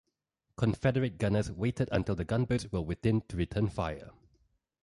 Confederate gunners waited until the gunboats were within to return fire.